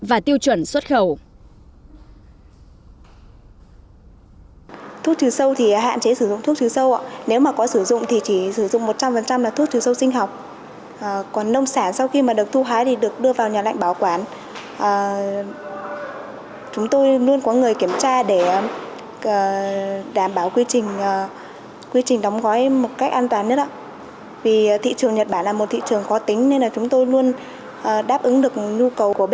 và tiêu chuẩn xuất khẩu